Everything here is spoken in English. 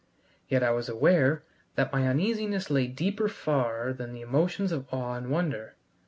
Yet I was aware that my uneasiness lay deeper far than the emotions of awe and wonder.